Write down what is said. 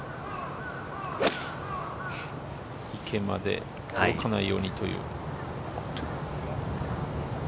池まで届かないようにという。